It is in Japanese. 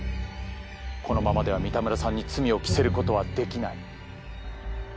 このままでは三田村さんに罪を着せることはできない。